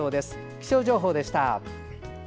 気象情報でした。